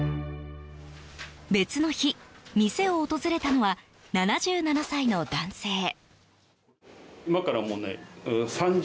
別の日、店を訪れたのは７７歳の男性。